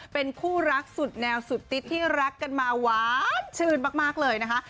เป็นคู่รักสุดแนวสุดติ๊ดที่รักกันมาหวานชื่นมากเลยนะคะ